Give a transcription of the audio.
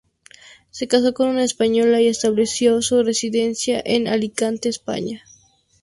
Se casó con una española y estableció su residencia en Alicante, España.